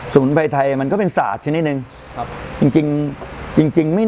สมมุติว่าไทยมันก็เป็นศาสตร์ชิ่นหนึ่ง